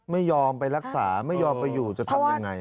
ไม่ยอมไปรักษาไม่ยอมไปอยู่จะทำยังไง